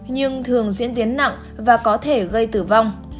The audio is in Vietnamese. nhưng thường diễn biến nặng và có thể gây tử vong